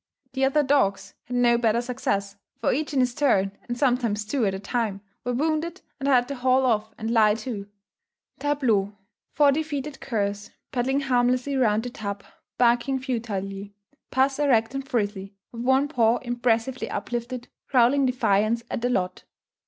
The other dogs had no better success; for each in his turn, and sometimes two at a time, were wounded, and had to haul off and lie too. Tableaux: four defeated curs, paddling harmlessly round the tub, barking futilely; puss erect and frizzly, with one paw impressively uplifted, growling defiance at the lot.